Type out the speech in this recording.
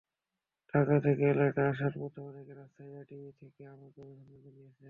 ঢাকা থেকে এলাকায় আসার পথে অনেকে রাস্তায় দাঁড়িয়ে থেকে আমাকে অভিনন্দন জানিয়েছেন।